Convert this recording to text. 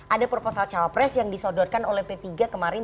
ada proposal cawapres yang disodotkan oleh p tiga kemarin